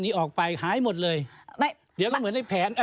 ไม่ไม่ถามละ